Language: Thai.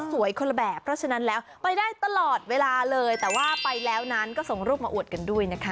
คนละแบบเพราะฉะนั้นแล้วไปได้ตลอดเวลาเลยแต่ว่าไปแล้วนั้นก็ส่งรูปมาอวดกันด้วยนะคะ